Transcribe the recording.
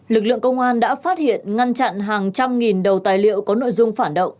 lực lượng công an đã phát hiện ngăn chặn hàng trăm nghìn đầu tài liệu có nội dung phản động